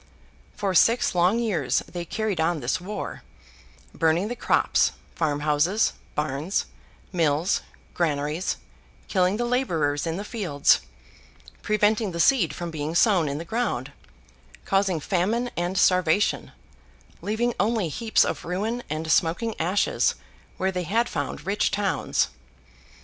For six long years they carried on this war: burning the crops, farmhouses, barns, mills, granaries; killing the labourers in the fields; preventing the seed from being sown in the ground; causing famine and starvation; leaving only heaps of ruin and smoking ashes, where they had found rich towns.